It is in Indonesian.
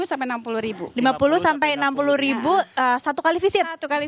sampai enam puluh satu kali visit satu kali satu kali satu kali satu kali satu kali satu kali satu kali